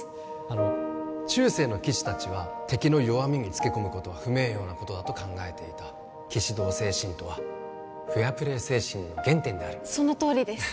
あの中世の騎士達は敵の弱みにつけこむことは不名誉なことだと考えていた騎士道精神とはフェアプレー精神の原点であるそのとおりです